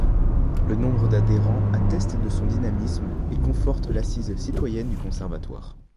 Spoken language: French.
Le nombre d’adhérents atteste de son dynamisme et conforte l’assise citoyenne du Conservatoire.